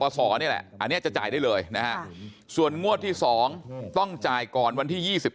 นี่แหละอันนี้จะจ่ายได้เลยนะฮะส่วนงวดที่๒ต้องจ่ายก่อนวันที่๒๓